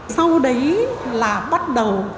sau đấy là bắt đầu